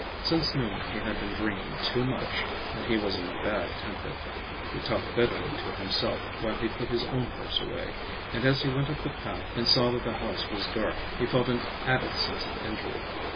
Since noon he had been drinking too much, and he was in a bad temper. He talked bitterly to himself while he put his own horse away, and as he went up the path and saw that the house was dark he felt an added sense of injury.